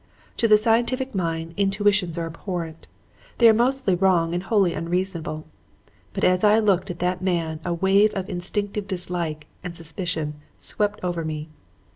To the scientific mind, intuitions are abhorrent. They are mostly wrong and wholly unreasonable. But as I looked at that man a wave of instinctive dislike and suspicion swept over me.